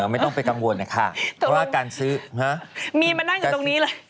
ไม่ต้องไปกังวลนะคะเพราะว่าการซื้อมีมานั่งอยู่ตรงนี้เลย